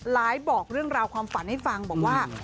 บอกเรื่องราวความฝันให้ฟังบอกว่า